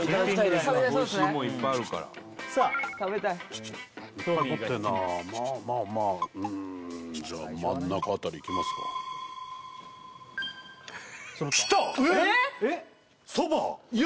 おいしいもんいっぱいあるからさあ食べたいいっぱい持ってんなまあまあまあうんじゃあ真ん中あたりいきますかきた蕎麦えっ？